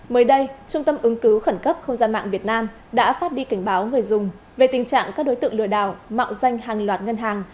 mới đây trung tâm ứng cứu khẩn cấp không gian mạng việt nam đã phát đi cảnh báo người dùng về tình trạng các đối tượng lừa đảo mạo danh hàng loạt ngân hàng